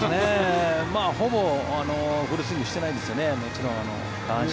ほぼフルスイングしてないですよね。